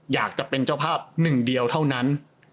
อยากจะเป็นเจ้าภาพหนึ่งเดียวเท่านั้น